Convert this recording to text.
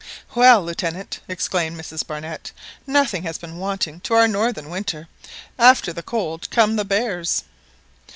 "Well, Lieutenant," exclaimed Mrs Barnett, "nothing has been wanting to our northern winter! After the cold come the bears."